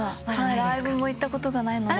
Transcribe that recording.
ライブも行ったことがないので。